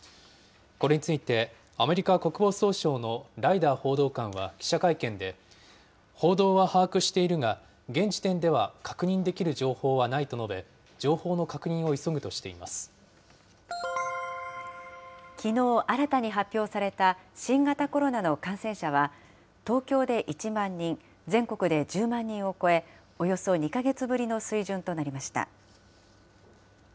これについてアメリカ国防総省のライダー報道官は記者会見で、報道は把握しているが、現時点では確認できる情報はないと述べ、情きのう、新たに発表された新型コロナの感染者は、東京で１万人、全国で１０万人を超え、およそ２か月ぶりの水準となりました。